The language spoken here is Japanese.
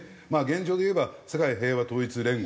現状でいえば世界平和統一連合か。